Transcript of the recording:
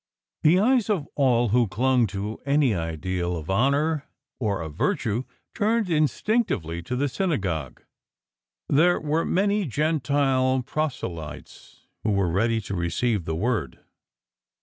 The eyes of all who clung to any ideal of honour or of virtue turned instinctively to the synagogue. There were many Gentile proselytes who were ready to receive the Word.